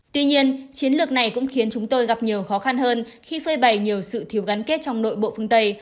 tuy nhiên chiến lược này cũng khiến chúng tôi gặp nhiều khó khăn hơn khi phơi bày nhiều sự thiếu gắn kết trong nội bộ phương tây